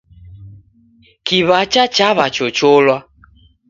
Kiw'acha chaw'achocholwa.